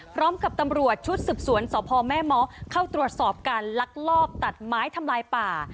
พร้อมกับตำรวจชุดสืบสวนสพแม่เมาะเข้าตรวจสอบการลักลอบตัดไม้ทำลายป่า